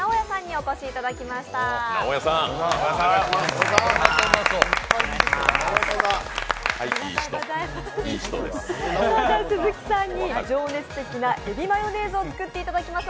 これから鈴木さんに情熱的な海老マヨネーズを作っていただきます